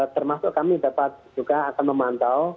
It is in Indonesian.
termasuk kami dapat juga akan memantau